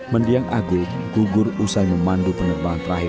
mendiang agung gugur usai memandu penerbangan terakhir